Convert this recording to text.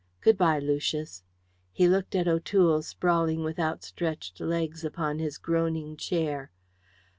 Goodbye, Lucius." He looked at O'Toole sprawling with outstretched legs upon his groaning chair.